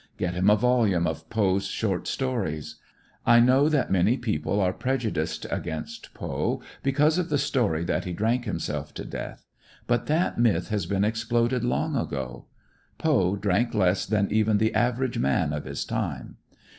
Get him a volume of Poe's short stories. I know many people are prejudiced against Poe because of the story that he drank himself to death. But that myth has been exploded long ago. Poe drank less than even the average man of his time.